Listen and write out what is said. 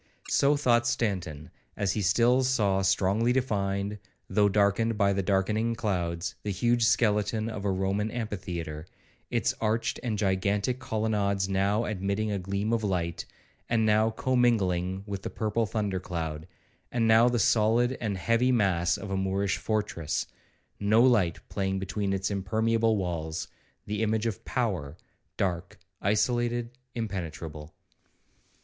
So thought Stanton, as he still saw strongly defined, though darkened by the darkening clouds, the huge skeleton of a Roman amphitheatre, its arched and gigantic colonnades now admitting a gleam of light, and now commingling with the purple thunder cloud; and now the solid and heavy mass of a Moorish fortress, no light playing between its impermeable walls,—the image of power, dark, isolated, impenetrable.